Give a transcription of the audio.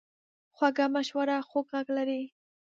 خوږه مشوره خوږ غږ لري.